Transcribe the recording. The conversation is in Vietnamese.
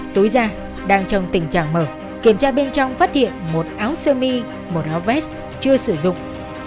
tối ra đang trong tình trạng mở kiểm tra bên trong phát hiện một áo sơ mi một áo vest chưa sử dụng